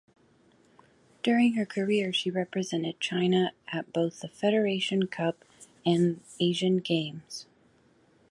During her career she represented China at both the Federation Cup and Asian Games.